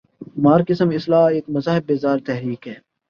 Marxism اصلا ایک مذہب بیزار تحریک ہے۔